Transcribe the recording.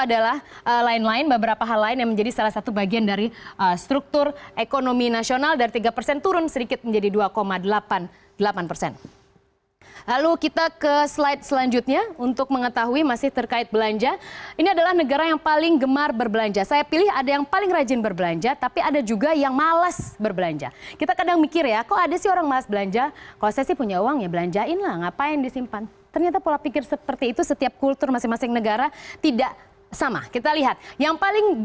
rajin berinvestasi karena masyarakatnya